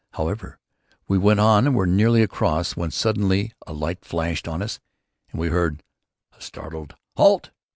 However, we went on and were nearly across when suddenly a light flashed on us and we heard a startled "Halt!"